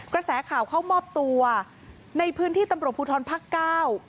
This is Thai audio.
กระแสข่าวเข้ามอบตัวในพื้นที่ตำรวจภูทรภักดิ์เก้า